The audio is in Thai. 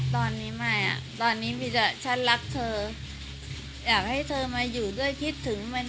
ตอนนี้ไม่อ่ะตอนนี้มีแต่ฉันรักเธออยากให้เธอมาอยู่ด้วยคิดถึงมัน